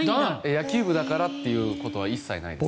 野球部だからということは一切ないです。